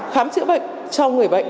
khám chữa bệnh cho người bệnh